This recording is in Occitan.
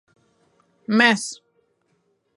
Mès!